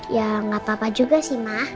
ya nggak apa apa juga sih mah